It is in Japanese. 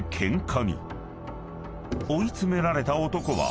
［追い詰められた男は］